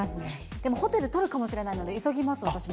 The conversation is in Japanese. でもホテル取るかもしれないので、急ぎます、私も。